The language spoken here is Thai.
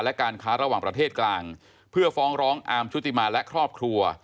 และการค้าระหว่างประเทศกลางเพื่อฟ้องร้องอาร์มชุติมาและครอบครัว